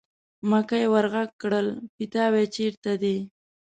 مکۍ ور غږ کړل: پیتاوی چېرته دی.